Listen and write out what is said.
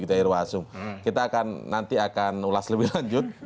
kita akan nanti akan ulas lebih lanjut